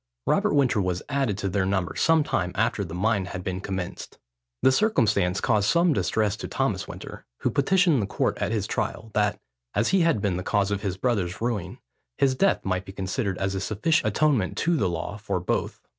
Robert Winter was added to their number some time after the mine had been commenced. The circumstance caused some distress to Thomas Winter, who petitioned the court at his trial, that, as he had been the cause of his brother's ruin, his death might be considered as a sufficient atonement to the law for both.